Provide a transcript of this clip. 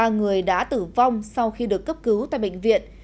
ba người đã tử vong sau khi được cấp cứu tại bệnh viện